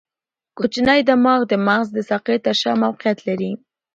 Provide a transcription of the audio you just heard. کوچنی دماغ د مغز د ساقې تر شا موقعیت لري.